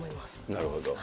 なるほど。